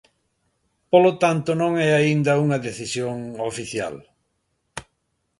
Polo tanto, non é aínda unha decisión oficial.